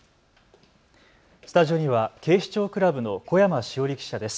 スタジオには警視庁クラブの小山志央理記者です。